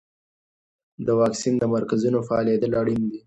د واکسین د مرکزونو فعالیدل اړین دي.